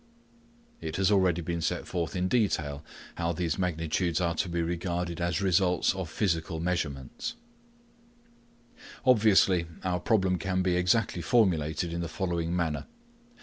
It has already been set forth in detail how these magnitudes are to be regarded as results of physical measurements. Obviously our problem can be exactly formulated in the following manner.